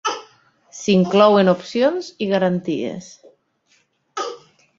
S'inclouen opcions i garanties.